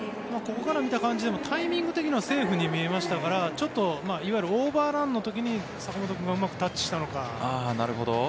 ここから見た感じでもタイミング的にはセーフに見えましたからいわゆるオーバーランの時に坂本君がうまくタッチしたのか。